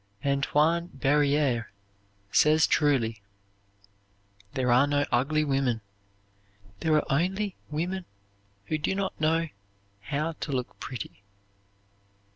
Antoine Berryer says truly: "There are no ugly women. There are only women who do not know how to look pretty."